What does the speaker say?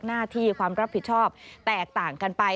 หน้าที่ความรับผิดชอบแตกต่างกันไป